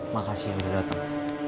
makasih yang udah dateng